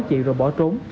và bỏ trốn